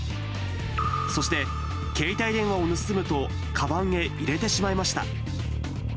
そして、携帯電話を盗むと、かばんへ入れてしまいました。